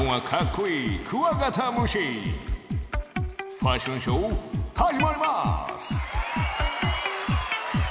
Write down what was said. ファッションショーはじまります！